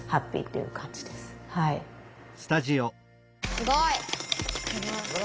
すごい！